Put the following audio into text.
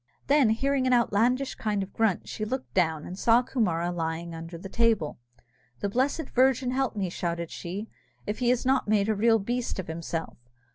Then hearing an outlandish kind of a grunt, she looked down, and saw Coomara lying under the table. "The blessed Virgin help me," shouted she, "if he has not made a real beast of himself!